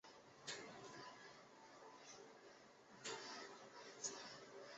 松乳菇生长在松树下的酸性土。